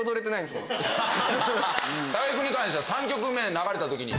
木君に関しては３曲目流れた時に。